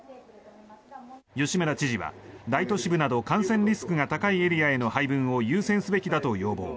吉村知事は大都市部など感染リスクが高いエリアへの配分を優先すべきだと要望。